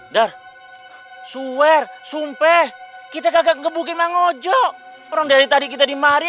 dar suwer sumpah kita kagak ngebukin manggung orang dari tadi kita di maria